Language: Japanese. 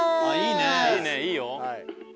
いいよ！